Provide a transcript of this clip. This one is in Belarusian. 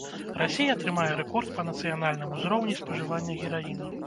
Расія трымае рэкорд па нацыянальным узроўні спажывання гераіну.